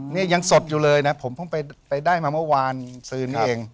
นี่ยังสดอยู่เลยนะผมเพิ่งไปได้มาเมื่อวานซื้อนี้เอง